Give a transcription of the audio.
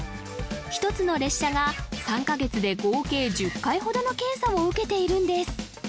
１つの列車が３カ月で合計１０回ほどの検査を受けているんです